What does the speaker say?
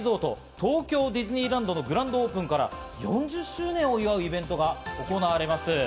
東京ディズニーランドのグランドオープンから４０周年を祝うイベントが行われます。